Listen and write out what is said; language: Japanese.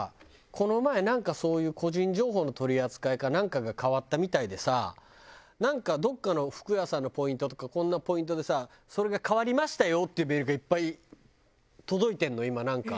この前なんかそういう個人情報の取り扱いかなんかが変わったみたいでさなんかどっかの服屋さんのポイントとかこんなポイントでさそれが変わりましたよっていうメールがいっぱい届いてるの今なんか。